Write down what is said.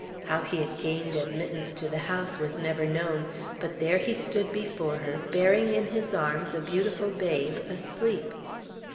How he had gained admittance to the house was never known; but there he stood before her, bearing in his arms a beautiful babe, asleep.